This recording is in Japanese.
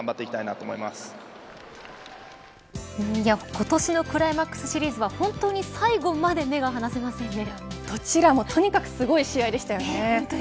今年のクライマックスシリーズは、本当に最後までどちらもとにかくすごい試合でしたよね。